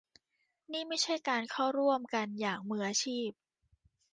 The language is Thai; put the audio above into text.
นี่ไม่ใช่การเข้าร่วมกันอย่างมืออาชีพ